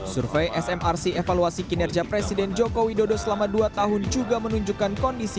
survei smrc evaluasi kinerja presiden joko widodo selama dua tahun juga menunjukkan kondisi